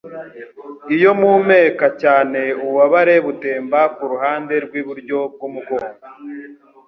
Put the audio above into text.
Iyo mpumeka cyane ububabare butemba kuruhande rwiburyo bwumugongo